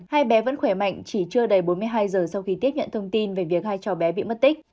hai bé vẫn khỏe mạnh chỉ chưa đầy bốn mươi hai giờ sau khi tiếp nhận thông tin về việc hai cháu bé bị mất tích